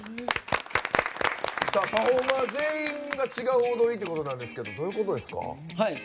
パフォーマー全員が違う踊りということなんですけどどういうことですか？